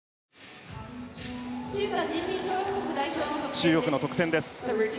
中国の得点です。